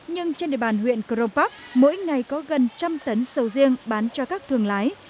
nhưng trên địa bàn huyện cronpac mỗi ngày có gần một trăm linh tấn sầu riêng bán cho các thương lái